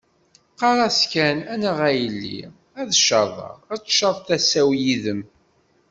Teqqar-as kan, anaɣ a yelli, ad tcaḍeḍ, ad tcaḍ tasa-w yid-m.